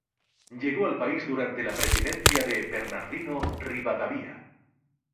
Llegó al país durante la presidencia de Bernardino Rivadavia.